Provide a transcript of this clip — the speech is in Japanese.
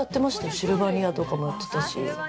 シルバニアとかもやってたし。